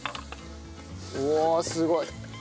うわあすごい。